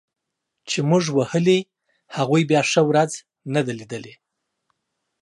چي موږ وهلي هغوی بیا ښه ورځ نه ده لیدلې